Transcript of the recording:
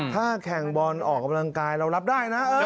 ถ้าแข่งบอลออกกำลังกายเรารับได้นะ